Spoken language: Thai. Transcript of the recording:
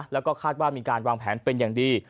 แล้วก็คาดว่ามีการวางแผนเป็นอย่างดี